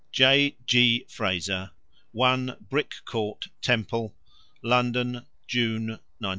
J. G. FRAZER. 1 BRICK COURT, TEMPLE, LONDON, June 1922.